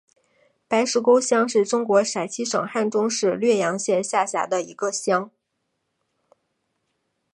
白石沟乡是中国陕西省汉中市略阳县下辖的一个乡。